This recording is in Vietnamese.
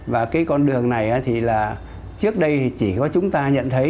vì chỉ có chúng ta nhận thấy